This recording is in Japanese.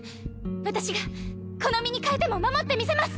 私がこの身に代えても守ってみせます。